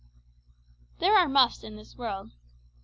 There are muffs in this world.